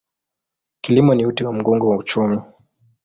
Kilimo ni uti wa mgongo wa uchumi.